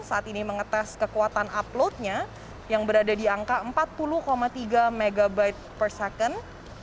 saat ini mengetes kekuatan uploadnya yang berada di angka empat puluh tiga megabyte per second